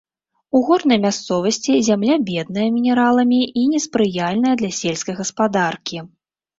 У горнай мясцовасці зямля бедная мінераламі і не спрыяльная для сельскай гаспадаркі.